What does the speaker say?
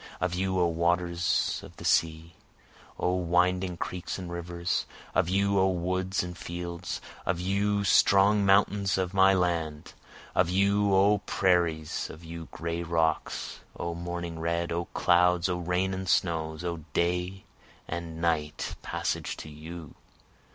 Of you O waters of the sea! O winding creeks and rivers! Of you O woods and fields! of you strong mountains of my land! Of you O prairies! of you gray rocks! O morning red! O clouds! O rain and snows! O day and night, passage to you!